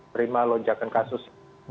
prima lonjakan kasus